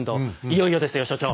いよいよですよ所長。